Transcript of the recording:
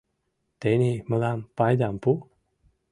Тений мылам пайдам пу.